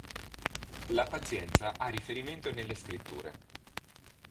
La pazienza ha riferimento nelle Scritture.